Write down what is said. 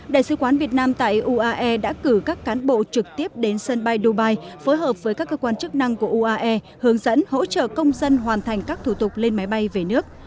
đại sứ quán việt nam tại uae đã cử các cán bộ trực tiếp đến sân bay dubai phối hợp với các cơ quan chức năng của uae hướng dẫn hỗ trợ công dân hoàn thành các thủ tục lên máy bay về nước